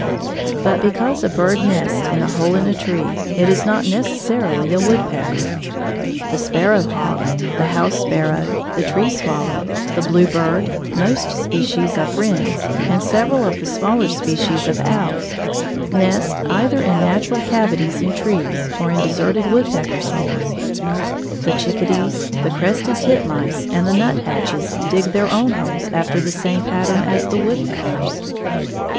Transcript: But because a bird nests in a hole in a tree, it is not necessarily a woodpecker. The sparrow hawk, the house sparrow, the tree swallow, the bluebird, most species of wrens, and several of the smaller species of owls nest either in natural cavities in trees or in deserted woodpeckers' holes. The chickadees, the crested titmice, and the nuthatches dig their own holes after the same pattern as the woodpecker's.